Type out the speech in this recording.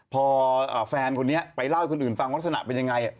พอแฟนคนนี้ไปเล่าให้คนอื่นฟังลักษณะเป็นยังไง